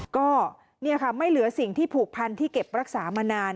ก็เนี่ยค่ะไม่เหลือสิ่งที่ผูกพันที่เก็บรักษามานาน